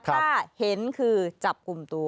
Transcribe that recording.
ถ้าเห็นคือจับกลุ่มตัว